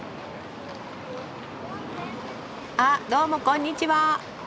あっどうもこんにちは。